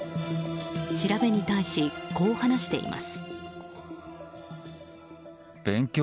調べに対し、こう話しています。